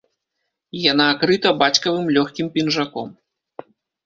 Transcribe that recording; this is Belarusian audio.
Яна акрыта бацькавым лёгкім пінжаком.